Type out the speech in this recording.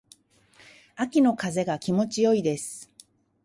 秋の風が気持ち良いです。